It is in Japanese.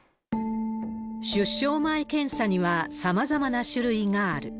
出生前検査にはさまざまな種類がある。